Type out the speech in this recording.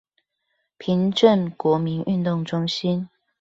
平鎮國民運動中心